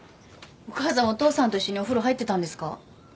お母さんお父さんと一緒にお風呂入ってたんですか？